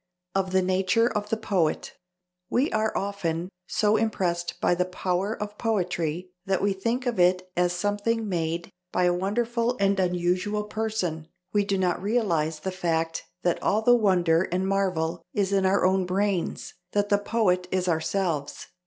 Of the nature of the poet: "We are (often) so impressed by the power of poetry that we think of it as something made by a wonderful and unusual person: we do not realize the fact that all the wonder and marvel is in our own brains, that the poet is ourselves.